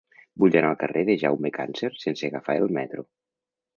Vull anar al carrer de Jaume Càncer sense agafar el metro.